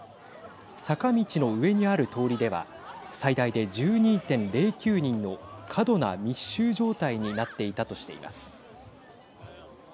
坂道の上にある通りでは最大で１２．０９人の過度な密集状態になっていたとしています。